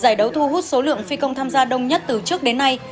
giải đấu thu hút số lượng phi công tham gia đông nhất từ trước đến nay